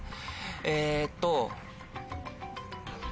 えっと。